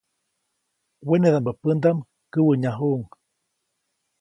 Wenedaʼmbä pändaʼm käwäʼnyajuʼuŋ.